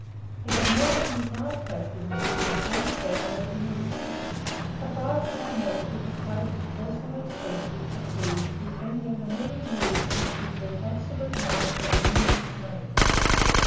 He had never in his life tasted meat, and very seldom eaten even fish. A five pound note would have covered his personal expenses for food through any one of the many years in which he had been absolute master of millions of money.